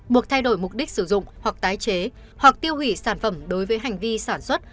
buộc thay đổi mục đích sử dụng hoặc tái chế hoặc tiêu hủy sản phẩm đối với hành vi sản xuất